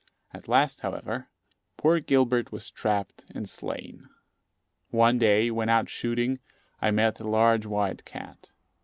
At last, however, poor Gilbert was trapped and slain. One day, when out shooting, I met a large white cat.